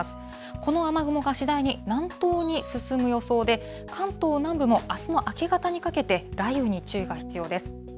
この雨雲が次第に南東に進む予想で、関東南部もあすの明け方にかけて、雷雨に注意が必要です。